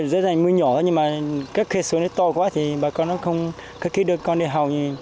dễ dàng mưa nhỏ thôi nhưng mà các khe sổ nó to quá thì bà con nó không khắc kích đưa con đi học